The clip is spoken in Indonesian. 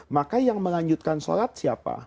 maka yang melanjutkan sholat siapa